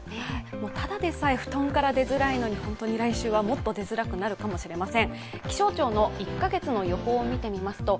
ただでさえ布団から出づらいのに、来週はもっと出づらくなるかもしれません。